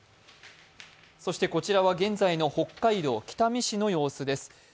こちらは現在の北海道北見市の様子です。